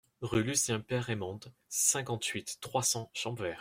Rue Lucien Perreimond, cinquante-huit, trois cents Champvert